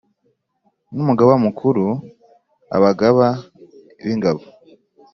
n Umugaba Mukuru Abagaba b Ingabo